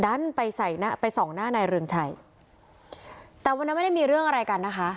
ดันไปใส่หน้าไปส่องหน้านายเรืองชัยแต่วันนั้นไม่ได้มีเรื่องอะไรกันนะคะ